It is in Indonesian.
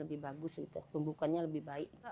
lebih bagus itu pembukannya lebih baik